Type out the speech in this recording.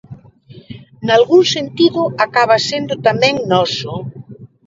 Nalgún sentido acaba sendo tamén noso.